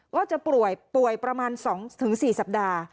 ก็จะป่วยประมาณ๒๔สัปดาห์